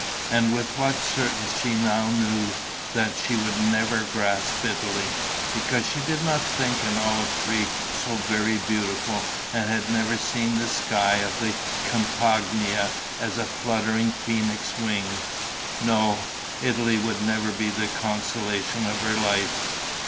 And with what certainty she now knew that she would never grasp Italy, because she did not think an olive tree so very beautiful and had never seen the sky of the Campagna as a fluttering phoenix wing! No, Italy would never be the consolation of her life....